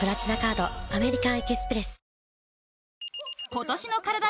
今年のカラダ